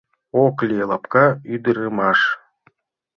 Окли — лапка ӱдырамаш.